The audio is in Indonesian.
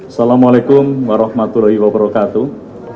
assalamu alaikum warahmatullahi wabarakatuh